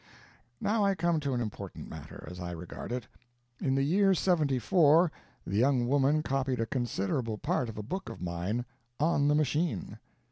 Now I come to an important matter as I regard it. In the year '74 the young woman copied a considerable part of a book of mine on the machine.